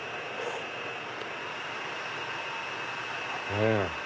うん。